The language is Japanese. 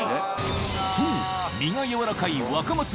そう身がやわらかいいきます。